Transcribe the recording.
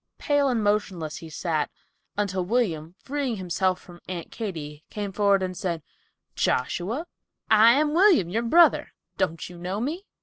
Pale and motionless he sat, until William, freeing himself from Aunt Katy, came forward and said, "Joshua, I am William, your brother; don't you know me?"